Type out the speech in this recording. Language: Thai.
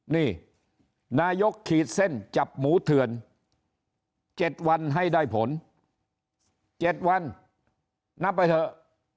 นี่นายกขีดเส้นจับหมูเถื่อน๗วันให้ได้ผล๗วันนับไปเถอะ